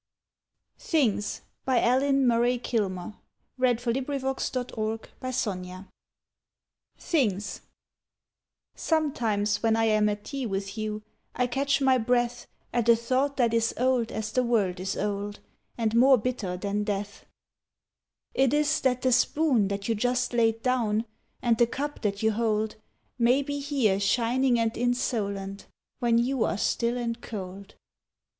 EN AND THE OTHER LEFT, 48 THE HARP, 49 The GIFT, 50 [x] VIGILS VIGILS THINGS Sometimes when I am at tea with you I catch my breath At a thought that is old as the world is old And more bitter than death. It is that the spoon that you just laid down And the cup that you hold May be here shining and insolent When you are still and cold.